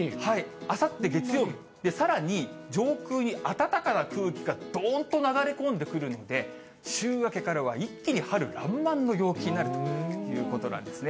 あさって月曜日、さらに上空に暖かな空気がどんと流れ込んでくるんで、週明けからは一気に春らんまんの陽気になるということなんですね。